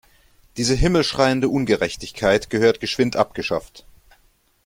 Diese himmelschreiende Ungerechtigkeit gehört geschwind abgeschafft.